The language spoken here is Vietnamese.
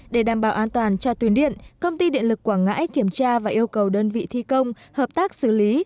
để đảm bảo an toàn cho tuyến điện công ty điện lực quảng ngãi kiểm tra và yêu cầu đơn vị thi công hợp tác xử lý